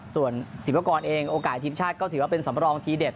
ส่วนศิวากรเองโอกาสทีมชาติก็ถือว่าเป็นสำรองทีเด็ด